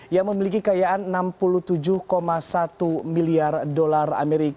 yang memiliki kekayaan enam puluh tujuh satu miliar dolar as